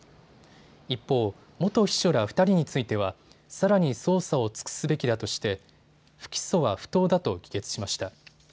一方、元秘書ら２人についてはさらに捜査を尽くすべきだとして不起訴は不当だと議決しました。